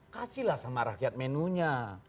kasihlah sama rakyat menunya